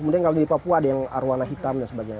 kemudian kalau di papua ada yang arowana hitam dan sebagainya